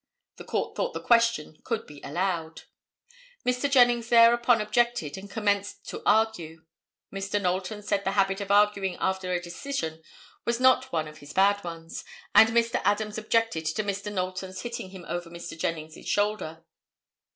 The Court thought the question could be allowed. Mr. Jennings thereupon objected and commenced to argue. Mr. Knowlton said the habit of arguing after a decision was not one of his bad ones, and Mr. Adams objected to Mr. Knowlton's hitting him over Mr. Jennings' shoulder.